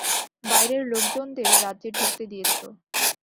বাইরের লোকজনদের রাজ্যে ঢুকতে দিয়েছ।